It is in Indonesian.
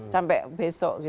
sampai besok gitu